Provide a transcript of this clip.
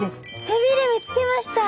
背びれ見つけました。